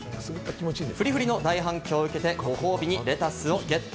フリフリの大反響を受けて、ご褒美にレタスをゲット。